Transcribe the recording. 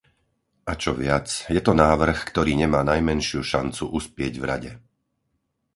A čo viac, je to návrh, ktorý nemá najmenšiu šancu uspieť v Rade.